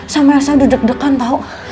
sama sama udah deg degan tau